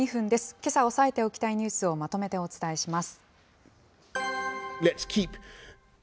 けさ押さえておきたいニュースをまとめてお伝えします。